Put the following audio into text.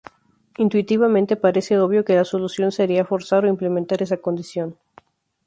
Intuitivamente parece obvio que la solución sería forzar o implementar esa condición.